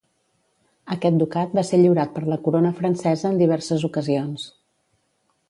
Aquest ducat va ser lliurat per la Corona Francesa en diverses ocasions.